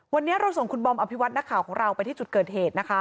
วันนี้เราส่งคุณบอมอภิวัตินักข่าวของเราไปที่จุดเกิดเหตุนะคะ